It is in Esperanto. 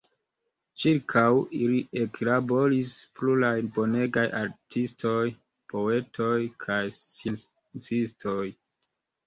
Ĉirkaŭ ili eklaboris pluraj bonegaj artistoj, poetoj kaj sciencistoj.